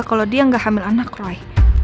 kalau dia nggak hamil anak roy